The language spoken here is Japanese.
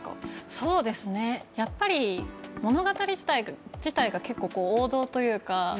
そうですね、やっぱり物語自体が結構王道というか。